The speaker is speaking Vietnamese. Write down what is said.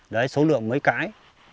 đấy số lượng mấy cái